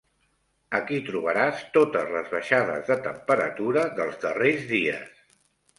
Aquí trobaràs totes les baixades de temperatura dels darrers dies.